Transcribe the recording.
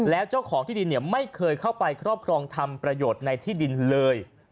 แล้วเจ้าของที่ดินไม่เคยเข้าไปครอบครองทำประโยชน์ในที่ดินเลย